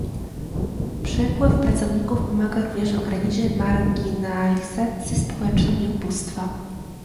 Przepływ pracowników pomaga również ograniczyć marginalizację społeczną i ubóstwo